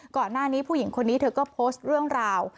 ก่อนหน้านี้ผู้หญิงคนนี้เธอก็โพสต์เรื่องราว